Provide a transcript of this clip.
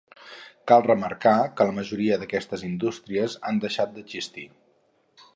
Cal remarcar que la majoria d'aquestes indústries han deixat d'existir.